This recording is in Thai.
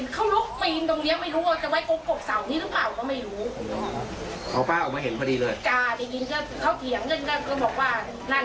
เขาเขี่ยงอยู่กับลูกเขาก็ให้ลูกเขาเอาลองเท้าไปล้าง